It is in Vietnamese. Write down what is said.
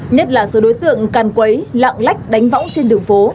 nhất là số đối tượng càn quấy lạng lách đánh võng trên đường phố